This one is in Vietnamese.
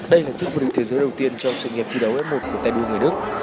đây là chiếc vdt đầu tiên trong sự nghiệp thi đấu f một của tay đua người đức